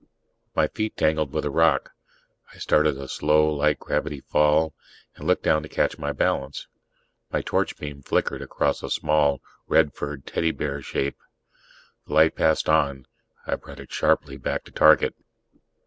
My feet tangled with a rock. I started a slow, light gravity fall, and looked down to catch my balance. My torch beam flickered across a small, red furred teddy bear shape. The light passed on. I brought it sharply back to target.